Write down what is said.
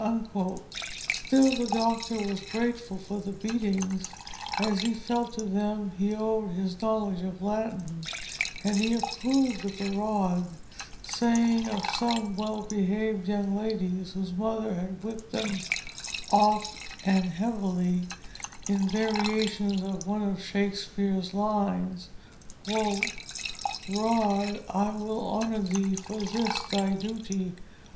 Still the Doctor was grateful for the beatings, as he felt to them he owed his knowledge of Latin; and he approved of the rod, saying of some well behaved young ladies whose mother had whipped them oft and heavily, in variation of one of Shakespeare's lines, "Rod, I will honor thee for this thy duty."